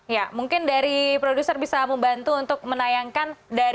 ya mungkin dari produser bisa membantu untuk menayangkan